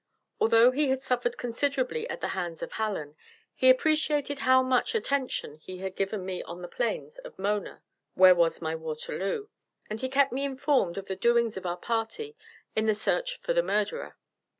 Although he had suffered considerably at the hands of Hallen, he appreciated how much attention he had given me on the plains of Mona where was my Waterloo, and he kept me informed of the doings of our party in the search for the murderer.